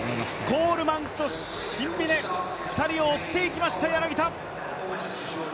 コールマンとシンビネ、２人を追っていきました、柳田。